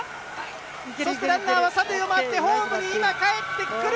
そしてランナーは３塁を回ってホームに今、かえってくる。